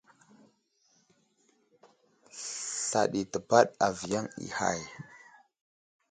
Sla ɗi təpaɗ aviyaŋ i hay.